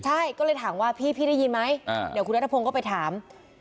ใช่ก็เลยถามว่าพี่ได้ยินไหมเดี๋ยวคุณนัทพงศ์ก็ไปถาม